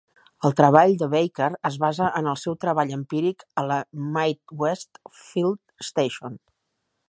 El treball de Barker es basa en el seu treball empíric a la Midwest Field Station.